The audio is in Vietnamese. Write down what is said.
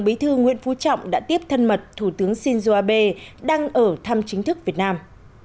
bảo đảm an ninh đường thăm chính thức việt nam